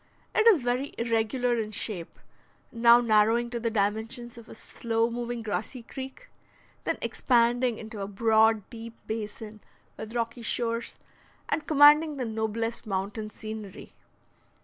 It is very irregular in shape; now narrowing to the dimensions of a slow moving grassy creek, then expanding into a broad deep basin with rocky shores, and commanding the noblest mountain scenery.